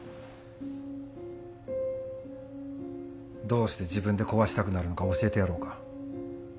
どうして自分で壊したくなるのか教えてやろうか。